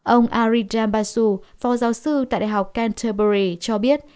ông aridam basu phó giáo sư tại đại học canterberry cho biết